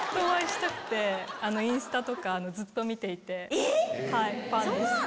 なん⁉インスタとかずっと見ていてファンです。